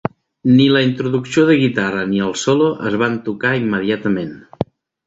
Ni la introducció de guitarra ni el solo es van tocar immediatament.